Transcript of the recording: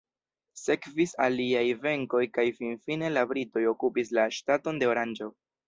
Sekvis aliaj venkoj kaj finfine la britoj okupis la ŝtaton de Oranĝo.